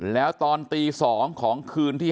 แล้วตอนตี๒ของคืนที่๕